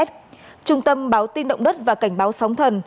trung tâm báo tin động đất và cảnh báo sóng thần